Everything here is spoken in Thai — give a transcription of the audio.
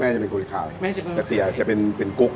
แม่จะเป็นกุ๊ติเชิว้ดเตี๋ยวจะเป็นกุ๊ก